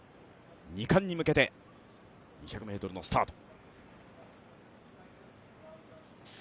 ２冠に向けて２００ｍのスタート。